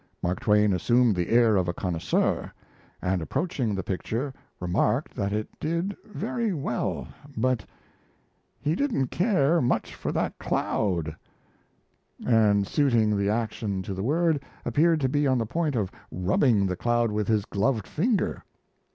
Mark Twain assumed the air of a connoisseur, and approaching the picture remarked that it did very well, but "he didn't care much for that cloud "; and suiting the action to the word, appeared to be on the point of rubbing the cloud with his gloved finger.